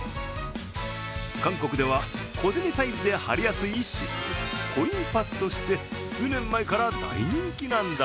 韓国では小銭サイズで貼りやすい湿布、コインパスとして数年前から大人気なんだ